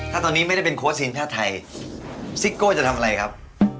ถ้าตอนนี้ไม่ได้เป็นโค้ชทีมชาติไทยซิโก้จะทำอะไรครับ